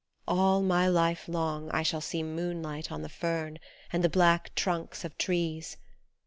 All my life long I shall see moonlight on the fern And the black trunks of trees.